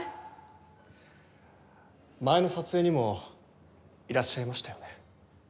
前の撮影にもいらっしゃいましたよね？